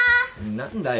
何だよ。